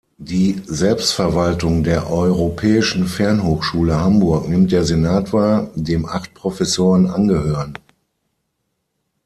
Die Selbstverwaltung der Europäischen Fernhochschule Hamburg nimmt der Senat wahr, dem acht Professoren angehören.